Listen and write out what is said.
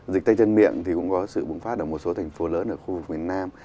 dịch tay chân miệng thì cũng có sự bùng phát ở một số thành phố lớn ở khu vực miền nam